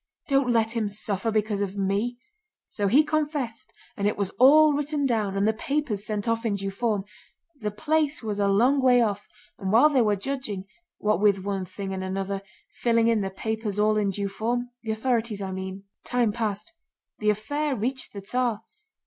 Don't let him suffer because of me.' So he confessed and it was all written down and the papers sent off in due form. The place was a long way off, and while they were judging, what with one thing and another, filling in the papers all in due form—the authorities I mean—time passed. The affair reached the Tsar.